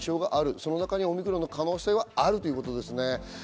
その中にオミクロン株の可能性はあるということですね。